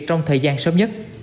trong thời gian sớm nhất